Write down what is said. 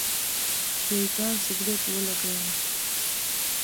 شیرجان سګرېټ ولګاوې.